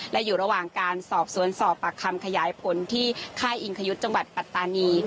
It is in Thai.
และอยู่ระหว่างการสอบสวนสอบปากคำขยายผลที่ค่ายอิงคยุทธ์จังหวัดปัตตานี